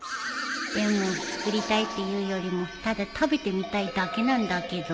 でも作りたいっていうよりもただ食べてみたいだけなんだけどね